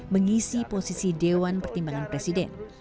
mengisi posisi dewan pertimbangan presiden